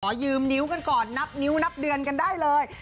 ยืมนิ้วกันก่อนนับนิ้วนับเดือนกันได้เลย